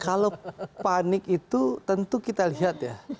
kalau panik itu tentu kita lihat ya